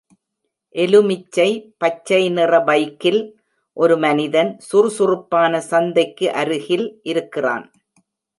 எலுமிச்சை பச்சைநிற பைக்கில் ஒரு மனிதன், சுறுசுறுப்பான சந்தைக்கு அருகில் இருக்கிறான்.